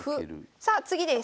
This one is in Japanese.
さあ次です。